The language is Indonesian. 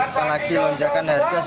apalagi menjelaskan harga sudah menaik